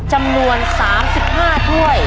จำนวน๓๕ถ้วย